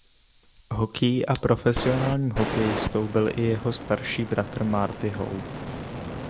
Hockey a profesionálním hokejistou byl i jeho starší bratr Marty Howe.